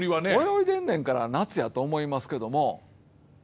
泳いでんねんから夏やと思いますけども。